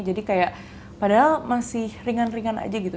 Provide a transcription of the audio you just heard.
jadi kayak padahal masih ringan ringan aja gitu